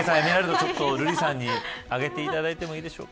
ちょっと瑠麗さんにあげていただいてもいいでしょうか。